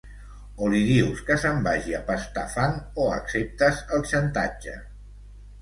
O li dius que se'n vagi a pastar fang o acceptes el xantatge.